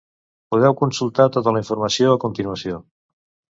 Podeu consultar tota la informació a continuació.